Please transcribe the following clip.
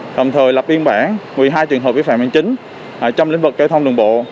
đồng thời lập biên bản một mươi hai trường hợp vi phạm hình chính trong lĩnh vực cây thông đường bộ